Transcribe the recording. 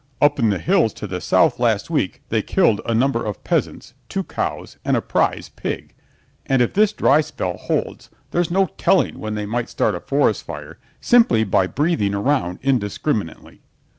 "Up in the hills to the south last week they killed a number of peasants, two cows and a prize pig. And if this dry spell holds there's no telling when they may start a forest fire simply by breathing around indiscriminately."